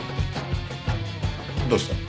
どうした？